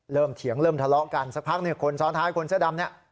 เริ่มเถียงเริ่มทะเลาะกันสักพักคนซ้อนท้ายคนเสื้อดำนี่